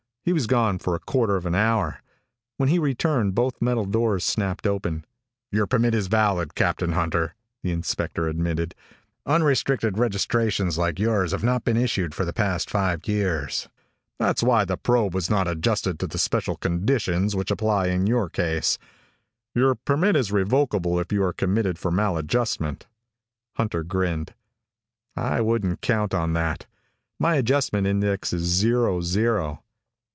He was gone for a quarter of an hour. When he returned, both metal doors snapped open. "Your permit is valid, Captain Hunter," the inspector admitted. "Unrestricted registrations like yours have not been issued for the past five years. That's why the probe was not adjusted to the special conditions which apply in your case. Your permit is revocable if you are committed for maladjustment." Hunter grinned. "I wouldn't count on that. My adjustment index is zero zero."